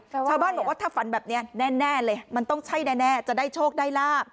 ชาวบ้านบอกว่าถ้าฝันแบบนี้แน่เลยมันต้องใช่แน่จะได้โชคได้ลาบ